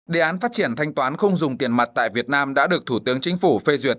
đề án phát triển thanh toán không dùng tiền mặt tại việt nam đã được thủ tướng chính phủ phê duyệt